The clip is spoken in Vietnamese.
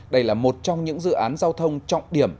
đây là một trong những dự án giao thông trọng điểm